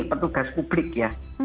petugas publik ya